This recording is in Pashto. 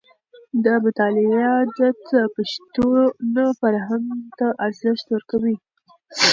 د مطالعې عادت د پښتون فرهنګ ته ارزښت ورکوي.